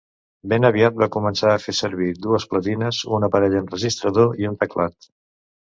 Ben aviat va començar a fer servir dues platines, un aparell enregistrador i un teclat.